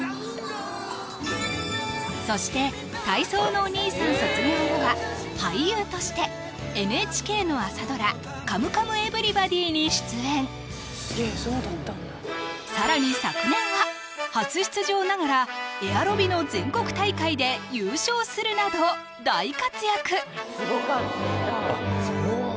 そして体操のお兄さん卒業後は俳優としてＮＨＫの朝ドラ「カムカムエヴリバディ」に出演更に昨年は初出場ながらエアロビの全国大会で優勝するなど大活躍すごかったあっ